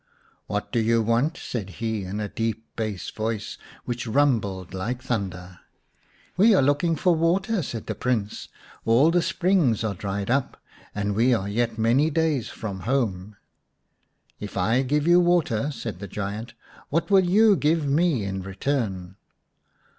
"What do you want?" said he in a deep bass voice, which rumbled like thunder. " We are looking for water," said the Prince ;" all the springs are dried up, and we are yet many days from home." " If I give you water," said the giant, " what will you give me in return